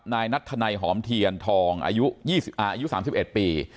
นายนัทธันัยหอมเทียนทองอายุยี่สิบอ่าอายุสามสิบเอ็ดปี